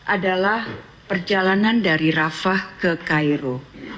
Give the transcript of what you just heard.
adalah perjalanan dari rafah ke cairo